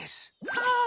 ああ！